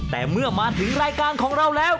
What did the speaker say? แต่เมื่อมาถึงรายการของเราแล้ว